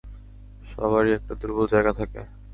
সবারই একটা দুর্বল জায়গা থাকে।